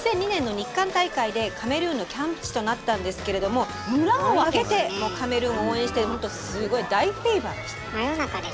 ２００２年の日韓大会でカメルーンのキャンプ地となったんですけれども村を挙げてカメルーンを応援してすごい大フィーバーでした。